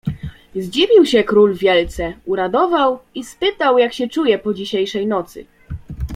"Zdziwił się król wielce, uradował i spytał, jak się czuje po dzisiejszej nocy."